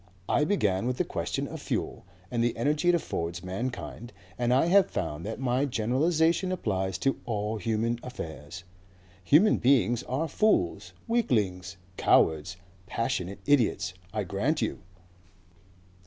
I began with the question of fuel and the energy it affords mankind, and I have found that my generalization applies to all human affairs. Human beings are fools, weaklings, cowards, passionate idiots, I grant you.